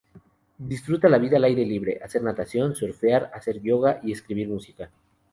Disfruta la vida al aire libre, hacer natación, surfear, hacer yoga y escribir música.